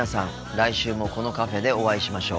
来週もこのカフェでお会いしましょう。